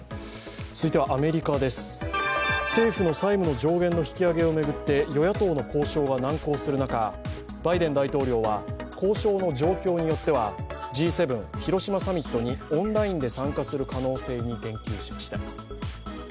続いてはアメリカです、政府の債務の上限の引き上げを巡って与野党の交渉が難航する中、バイデン大統領は交渉の状況によっては、Ｇ７広島サミットにオンラインで参加する可能性に言及しました。